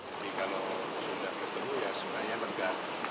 jadi kalau sudah ketemu ya sebenarnya lega